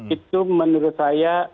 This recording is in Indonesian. itu menurut saya